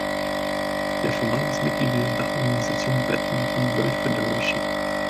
Der Verband ist Mitglied in der Dachorganisation Badminton World Federation.